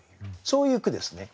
そういう句ですね。